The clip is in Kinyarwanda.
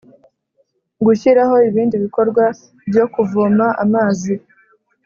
gushyiraho ibindi bikorwa byo kuvoma amazi